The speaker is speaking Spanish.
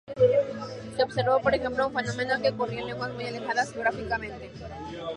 Se observó, por ejemplo, un fenómeno que ocurría en lenguas muy alejadas geográficamente.